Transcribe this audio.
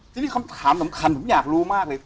ทีนี้คำถามสำคัญผมอยากรู้มากเลย